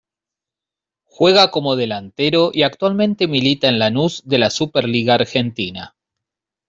Juega como delantero y actualmente milita en Lanús de la Superliga Argentina.